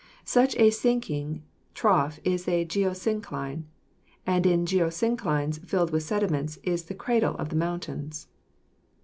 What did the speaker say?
Such a sinking trough is a geosyncline, and in geosynclines filled with sediments is the cradle of the mountains.